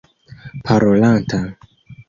parolanta